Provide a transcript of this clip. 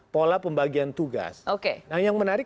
pola pembagian tugas oke nah yang menarik